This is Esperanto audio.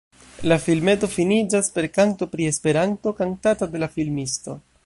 La filmeto finiĝas per kanto pri Esperanto, kantata de la filmisto.